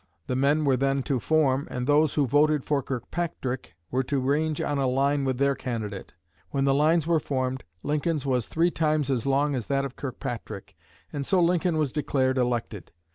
The men were then to form, and those who voted for Kirkpatrick were to range on a line with their candidate. When the lines were formed, Lincoln's was three times as long as that of Kirkpatrick, and so Lincoln was declared elected.